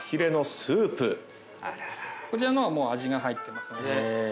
こちらの方はもう味が入ってますので。